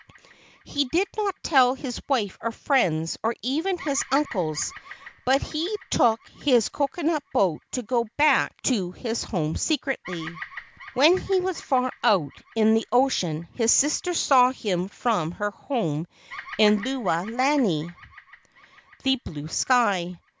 He did not tell his wife or friends, or even his uncles, but he took his coconut boat to go back 192 LEGENDS OF GHOSTS to his home secretly. When he was far out in the ocean his sister saw him from her home in Lewa lani (the blue sky).